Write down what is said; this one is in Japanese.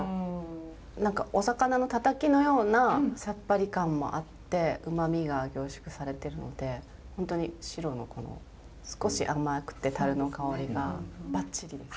何かお魚のたたきのようなさっぱり感もあってうまみが凝縮されてるので本当に白のこの少し甘くて樽の香りがばっちりです。